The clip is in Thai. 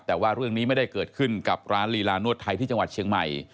แต่ว่าเรื่องนี้ไม่ได้เกิดขึ้นกับร้านลีลานวดไทยที่จังหวัดเชียงใหม่